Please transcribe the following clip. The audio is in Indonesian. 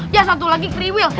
yang satu lagi kriwil